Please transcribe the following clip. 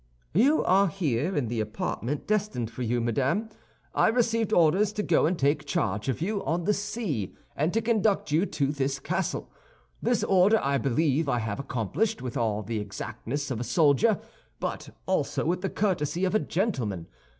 "You are here in the apartment destined for you, madame. I received orders to go and take charge of you on the sea, and to conduct you to this castle. This order I believe I have accomplished with all the exactness of a soldier, but also with the courtesy of a gentleman.